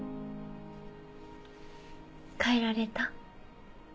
変えられた？